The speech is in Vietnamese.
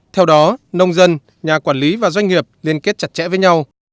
theo đó nông dân nhà quản lý và doanh nghiệp liên kết chặt chẽ với nhau